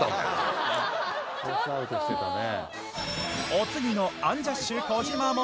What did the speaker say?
お次のアンジャッシュ児嶋も。